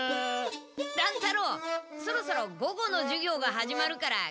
乱太郎そろそろ午後の授業が始まるから教室にもどろうか。